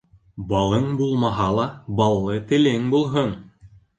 Балын булмаһа ла, баллы телең булһын.